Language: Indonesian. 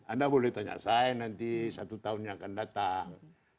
anda boleh tanya saya nanti satu tahun yang akan datang